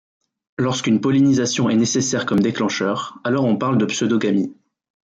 Lorsqu'une pollinisation est nécessaire comme déclencheur, alors on parle de pseudogamie.